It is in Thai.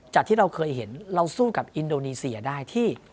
ที่เราเคยเห็นเราสู้กับอินโดนีเซียได้ที่